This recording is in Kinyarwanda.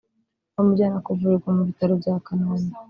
bamujyana kuvurizwa mu bitaro bya Kanombe